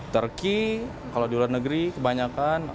turki kalau di luar negeri kebanyakan